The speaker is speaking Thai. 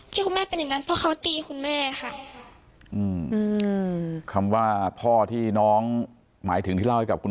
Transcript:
ที่คุณแม่เป็นอย่างนั้นเพราะเขาตีคุณแม่ค่ะ